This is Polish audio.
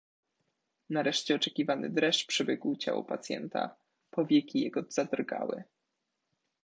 "Nareszcie oczekiwany dreszcz przebiegł ciało pacjenta, powieki jego zadrgały."